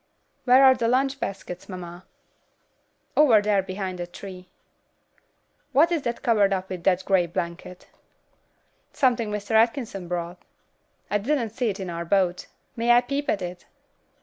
"Where are the lunch baskets, mamma?" "Over there behind that tree." "What is that covered up with that grey blanket?" "Something Mr. Atkinson brought." "I didn't see it in our boat. May I peep at it?"